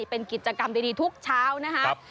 เป็นกิจกรรมดีทุกเช้านะครับ